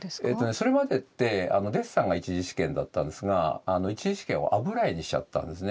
それまでってデッサンが１次試験だったんですが１次試験を油絵にしちゃったんですね。